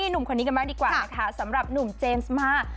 นุ่มคนนี้กันมากดีกว่าสำหรับนุ่มเจมส์มาร์